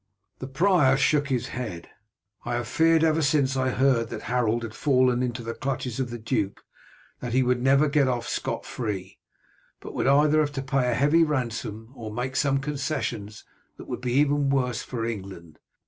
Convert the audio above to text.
The prior shook his head. "I have feared ever since I heard that Harold had fallen into the clutches of the duke, that he would never get off scot free, but would either have to pay a heavy ransom or make some concessions that would be even worse for England.